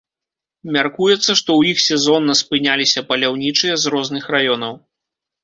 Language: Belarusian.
Мяркуецца, што ў іх сезонна спыняліся паляўнічыя з розных раёнаў.